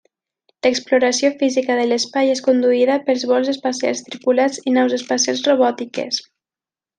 L'exploració física de l'espai és conduïda pels vols espacials tripulats i naus espacials robòtiques.